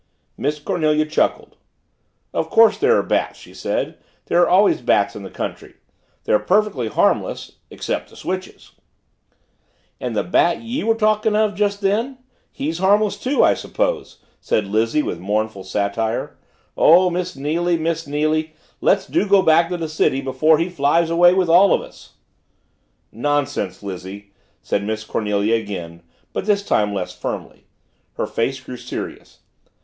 Miss Cornelia chuckled. "Of course there are bats," she said. "There are always bats in the country. They're perfectly harmless, except to switches." "And the Bat ye were talking of just then he's harmless too, I suppose?" said Lizzie with mournful satire. "Oh, Miss Neily, Miss Neily do let's go back to the city before he flies away with us all!" "Nonsense, Lizzie," said Miss Cornelia again, but this time less firmly. Her face grew serious.